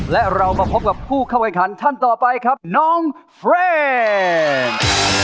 และเรามาพบกับผู้เข้าแข่งขันท่านต่อไปครับน้องเพลง